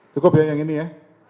cukup ya yang ini ya